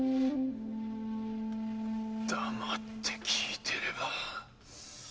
黙って聞いてれば。